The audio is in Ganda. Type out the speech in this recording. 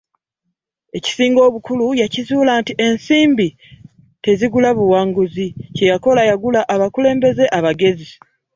Ekisinga obukulu, yakizuula nti ensimbi tezigula buwanguzi; kye yakola yagula abakulembeze abagezi.